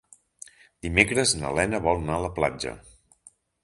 Dimecres na Lena vol anar a la platja.